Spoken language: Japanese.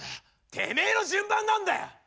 てめえの順番なんだよ！